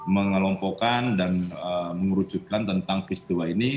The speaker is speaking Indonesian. mengelompokkan dan mengerucutkan tentang peristiwa ini